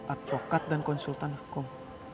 advokat dan konsultan hukum